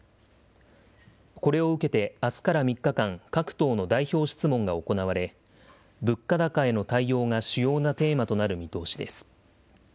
これを受けて、あすから３日間、各党の代表質問が行われ、物価高への対応が主要なテーマとなる見通しです。